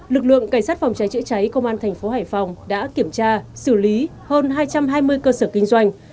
lực lượng cảnh sát phòng cháy cháy công an tp hải phòng đã kiểm tra xử lý hơn hai trăm hai mươi cơ sở kinh doanh